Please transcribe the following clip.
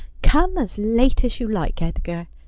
Come as ]ate as you like, Edgar.